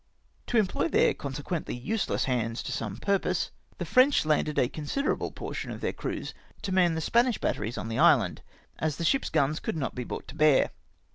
To employ theh consequently useless hands to some pm'pose, the French landed a considerable portion of theh crews to man the Spanish batteries on the island, as the ship's guns could not be brought to bear.